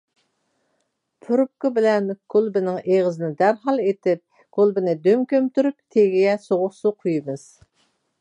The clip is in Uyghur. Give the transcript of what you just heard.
پۇرۇپكا بىلەن كولبىنىڭ ئېغىزىنى دەرھال ئېتىپ، كولبىنى دۈم كۆمتۈرۈپ تېگىگە سوغۇق سۇ قۇيىمىز.